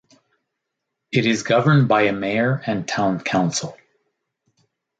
It is governed by a mayor and town council.